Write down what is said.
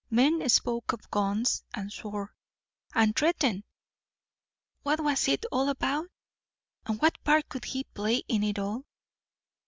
Men spoke of guns, and swore, and threatened. What was it all about? And what part could he play in it all?